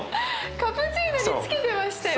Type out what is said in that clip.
カプチーノにつけてましたよ。